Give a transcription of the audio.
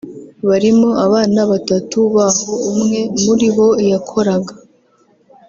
barimo abana batatu b’aho umwe muri bo yakoraga